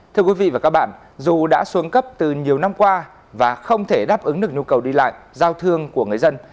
thưa quý vị và các bạn dù đã xuống cấp từ nhiều năm qua và không thể đáp ứng được nhu cầu đi lại giao thương của người dân